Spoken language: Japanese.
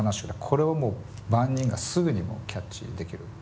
これはもう万人がすぐにキャッチできる感情。